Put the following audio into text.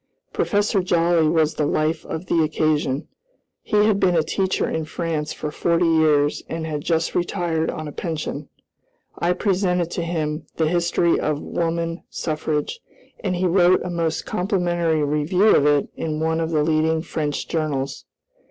Professor Joly was the life of the occasion. He had been a teacher in France for forty years and had just retired on a pension. I presented to him "The History of Woman Suffrage," and he wrote a most complimentary review of it in one of the leading French journals.